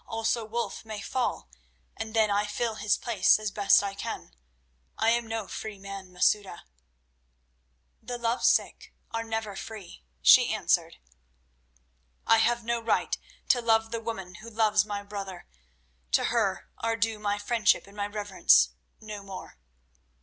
Also Wulf may fall, and then I fill his place as best I can. I am no free man, Masouda." "The love sick are never free," she answered. "I have no right to love the woman who loves my brother; to her are due my friendship and my reverence—no more."